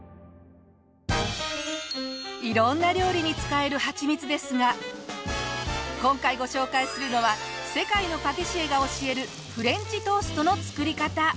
色んな料理に使えるはちみつですが今回ご紹介するのは世界のパティシエが教えるフレンチトーストの作り方。